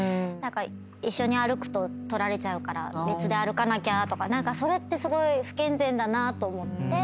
一緒に歩くと撮られちゃうから別で歩かなきゃとか何かそれってすごい不健全だなと思って。